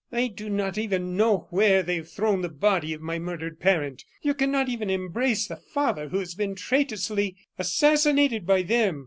I do not even know where they have thrown the body of my murdered parent; you cannot even embrace the father who has been traitorously assassinated by them!"